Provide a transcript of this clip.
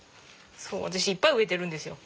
そう私いっぱい植えてるんですよ。